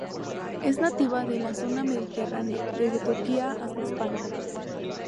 Es nativa de la zona mediterránea, desde Turquía hasta España.